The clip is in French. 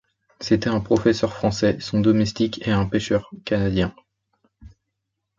C’étaient un professeur français, son domestique et un pêcheur canadien